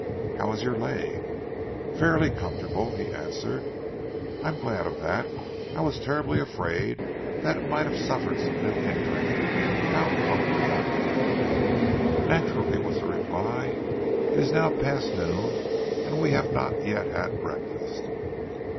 How is your leg?" "Fairly comfortable," he answered. "I am glad of that, I was terribly afraid that it might have suffered some new injury how hungry I am!" "Naturally!" was the reply. "It is now past noon and we have not yet had breakfast."